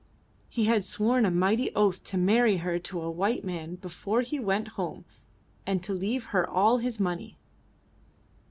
He had sworn a mighty oath to marry her to a white man before he went home and to leave her all his money.